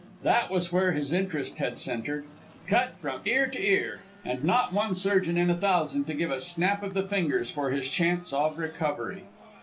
That was where his interest had centred. Cut from ear to ear, and not one surgeon in a thousand to give a snap of the fingers for his chance of recovery.